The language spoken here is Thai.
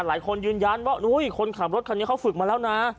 หลายคนยืนยันว่าคนขับรถคันนี้เขาฝึกมาแล้วนะ